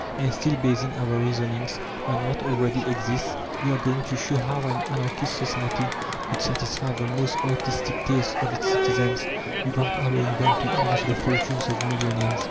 And, still basing our reasonings on what already exists, we are going to show how an Anarchist society could satisfy the most artistic tastes of its citizens without allowing them to amass the fortunes of millionaires.